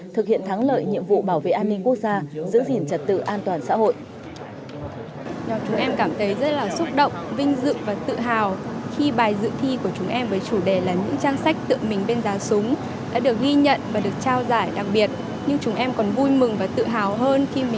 thực hiện thắng lợi nhiệm vụ bảo vệ an ninh quốc gia giữ gìn trật tự an toàn xã hội